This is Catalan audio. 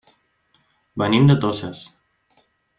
Venim de Toses.